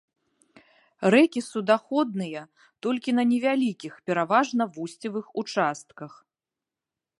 Рэкі суднаходныя толькі на невялікіх, пераважна вусцевых участках.